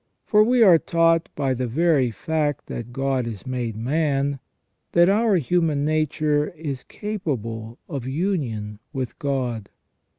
For we are taught by the very fact that God is made man, that our human nature is capable of union with God.